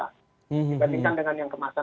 dibandingkan dengan yang kemasan